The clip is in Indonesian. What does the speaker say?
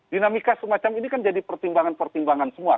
dinamika semacam ini kan jadi pertimbangan pertimbangan semua